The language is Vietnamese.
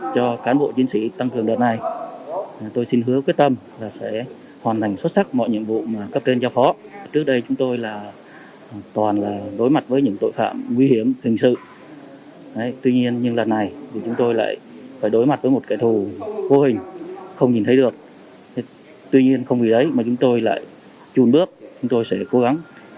cảnh bộ chiến sĩ đã quyết tâm đồng lòng chiến thắng được dịch bệnh để giải thích cho người dân